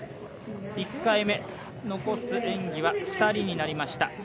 １回目残す演技は２人になりました。